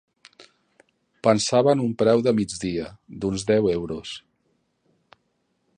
Pensava en un preu de migdia d'uns deu euros.